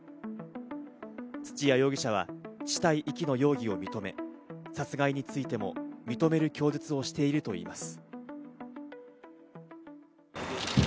土屋容疑者は死体遺棄の容疑を認め、殺害についても認める供述をしているといいます。